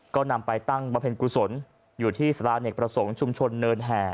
ก็นำไปตั้งบำเพ็ญกุศลอยู่ที่สาราเนกประสงค์ชุมชนเนินแห่